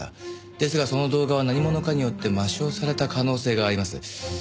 ですがその動画は何者かによって抹消された可能性があります。